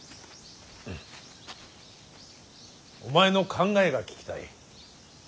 お前の考えが聞きたい。